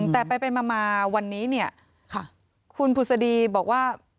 แต่ไปมาวันนี้เนี่ยคุณผุศดีบอกว่า